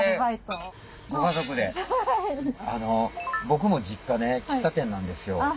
僕も実家ね喫茶店なんですよ。